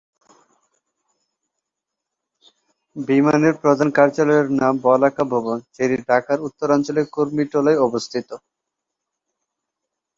বিমানের প্রধান কার্যালয়ের নাম "বলাকা ভবন", যেটি ঢাকার উত্তরাঞ্চলে কুর্মিটোলায় অবস্থিত।